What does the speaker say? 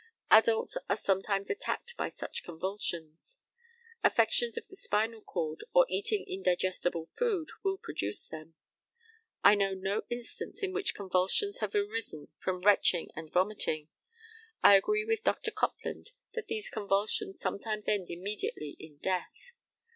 Adults are sometimes attacked by such convulsions. Affections of the spinal cord or eating indigestible food will produce them. I know no instance in which convulsions have arisen from retching and vomiting. I agree with Dr. Copland that these convulsions sometimes end immediately in death.